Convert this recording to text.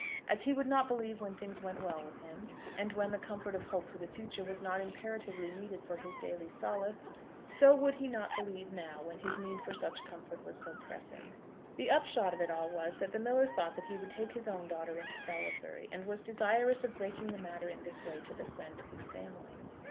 As he would not believe when things went well with him, and when the comfort of hope for the future was not imperatively needed for his daily solace, so would he not believe now, when his need for such comfort was so pressing. The upshot of it all was, that the miller thought that he would take his own daughter into Salisbury, and was desirous of breaking the matter in this way to the friend of his family.